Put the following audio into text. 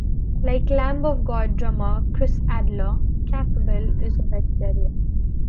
Like Lamb of God drummer Chris Adler, Campbell is a vegetarian.